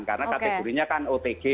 karena kategorinya kan otg